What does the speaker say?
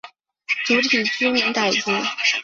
主体居民傣族。